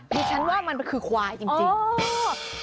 ดิฉันว่ามันคือควายจริง